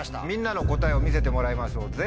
みんなの答えを見せてもらいましょう。